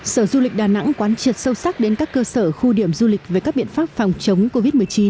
sở du lịch đà nẵng quán triệt sâu sắc đến các cơ sở khu điểm du lịch với các biện pháp phòng chống covid một mươi chín